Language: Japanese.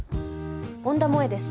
恩田萌です。